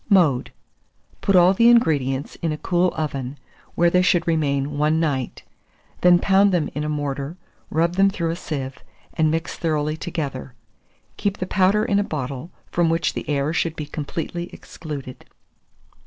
Mode. Put all the ingredients in a cool oven, where they should remain one night; then pound them in a mortar, rub them through a sieve, and mix thoroughly together; keep the powder in a bottle, from which the air should be completely excluded.